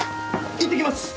いってきます！